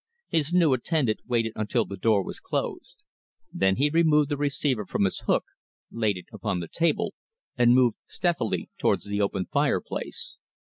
His new attendant waited until the door was closed. Then he removed the receiver from its hook, laid it upon the table, and moved stealthily towards the open fireplace.